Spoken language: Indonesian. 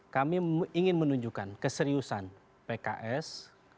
kami ingin menunjukkan keseriusan pks